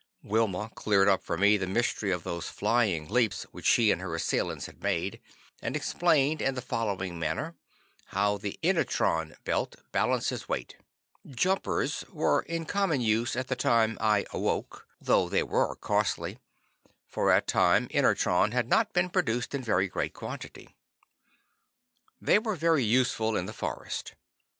Wilma cleared up for me the mystery of those flying leaps which she and her assailants had made, and explained in the following manner, how the inertron belt balances weight: "Jumpers" were in common use at the time I "awoke," though they were costly, for at that time inertron had not been produced in very great quantity. They were very useful in the forest.